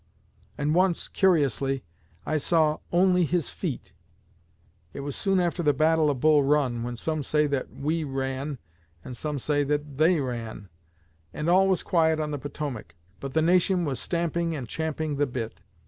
And once, curiously, I saw only his feet. It was soon after the battle of Bull Run, when some say that we ran, and some say that they ran. And all was quiet on the Potomac; but the nation was stamping and champing the bit.